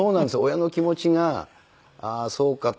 親の気持ちがああそうかと。